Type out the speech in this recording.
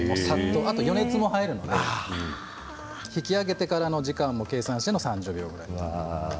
余熱も入るので引き上げてからの時間を計算しての３０秒です。